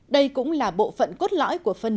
đây cũng là bộ phận cốt lõi của phân